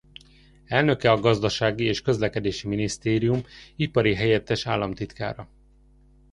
Elnöke a Gazdasági és Közlekedési Minisztérium ipari helyettes államtitkára.